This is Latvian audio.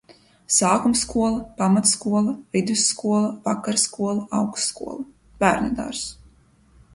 Sākumskola, pamatskola, vidusskola, vakarskola, augstskola. Bērnudārzs.